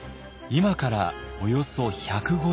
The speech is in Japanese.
今からおよそ１５０年前。